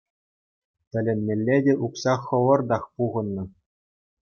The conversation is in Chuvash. Тӗлӗнмелле те, укҫа хӑвӑртах пухӑннӑ.